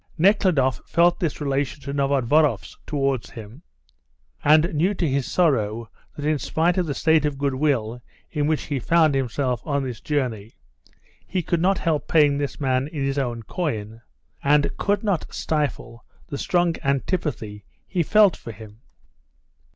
Nekhludoff felt this relation of Novodvoroff's towards him, and knew to his sorrow that in spite of the state of good will in which he found himself on this journey he could not help paying this man in his own coin, and could not stifle the strong antipathy he felt for him.